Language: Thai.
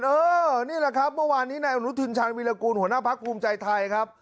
เออนี่แหละครับเมื่อวานนี้นายอนุทินชาญวิรากูลหัวหน้าพักภูมิใจไทยครับ